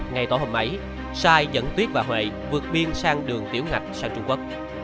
ngày tối hôm ấy sai dẫn tuyết và huệ vượt biên sang đường tiểu ngạch sang trung quốc